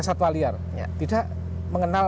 satwa liar tidak mengenal